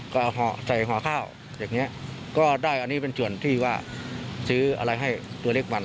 ก็เอาใส่ห่อข้าวอย่างนี้ก็ได้อันนี้เป็นส่วนที่ว่าซื้ออะไรให้ตัวเล็กมัน